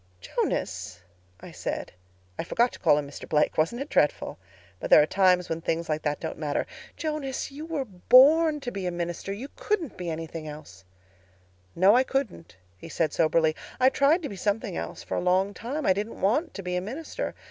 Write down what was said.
"'Jonas,' I said—I forgot to call him Mr. Blake. Wasn't it dreadful? But there are times when things like that don't matter—'Jonas, you were born to be a minister. You couldn't be anything else.' "'No, I couldn't,' he said soberly. 'I tried to be something else for a long time—I didn't want to be a minister.